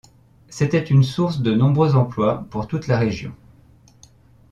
C'était une source de nombreux emplois pour toute la région.